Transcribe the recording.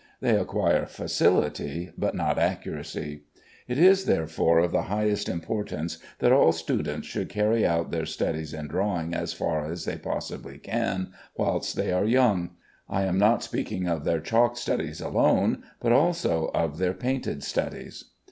They acquire facility, but not accuracy. It is, therefore, of the highest importance that all students should carry out their studies in drawing as far as they possibly can whilst they are young. I am not speaking of their chalk studies alone, but also of their painted studies.